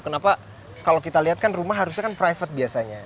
kenapa kalau kita lihat kan rumah harusnya kan private biasanya